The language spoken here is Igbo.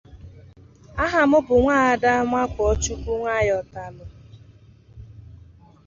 Ugbua ị ghọtagoro ihe ndị Igbo ji ekwu okwu a